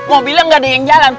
mobilnya gak ada yang jalan